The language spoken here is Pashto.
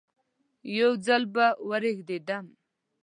یو ځل به ورېږدم.